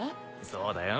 そうだよ。